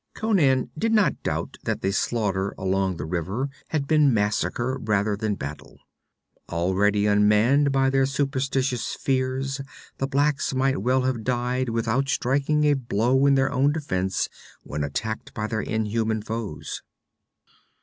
Conan did not doubt that the slaughter along the river had been massacre rather than battle. Already unmanned by their superstitious fears, the blacks might well have died without striking a blow in their own defense when attacked by their inhuman foes.